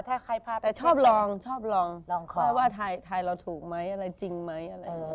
แต่ชอบลองว่าถ่ายเราถูกมั้ยจริงมั้ย